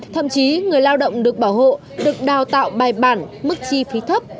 thậm chí người lao động được bảo hộ được đào tạo bài bản mức chi phí thấp